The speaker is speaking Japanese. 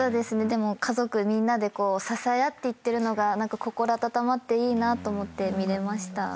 でも家族みんなで支え合っていってるのが心温まっていいなと思って見れました。